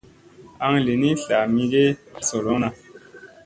Aŋ li ni zla mi ge ha solonaŋ.